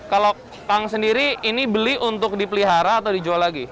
kalau kang sendiri ini beli untuk dipelihara atau dijual lagi